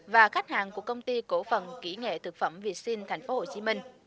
và khách hàng của công ty cổ phần kỹ nghệ thực phẩm việt sinh tp hcm